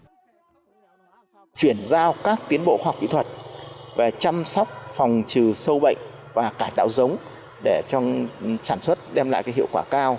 chúng chuyển giao các tiến bộ khoa học kỹ thuật về chăm sóc phòng trừ sâu bệnh và cải tạo giống để trong sản xuất đem lại hiệu quả cao